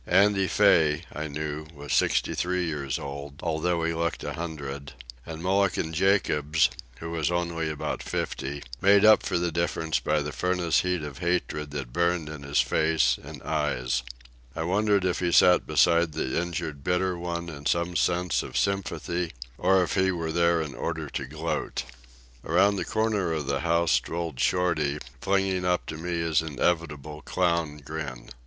Andy Fay, I knew, was sixty three years old, although he looked a hundred; and Mulligan Jacobs, who was only about fifty, made up for the difference by the furnace heat of hatred that burned in his face and eyes. I wondered if he sat beside the injured bitter one in some sense of sympathy, or if he were there in order to gloat. Around the corner of the house strolled Shorty, flinging up to me his inevitable clown grin.